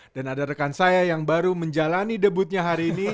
dan ada rekan saya yang baru menjalani debutnya hari ini